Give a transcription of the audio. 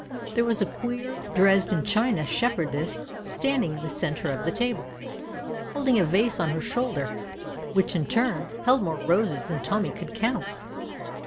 There was a queer Dresden china shepherdess standing in the centre of the table, holding a vase on her shoulder, which in turn held more roses than Tommy could count.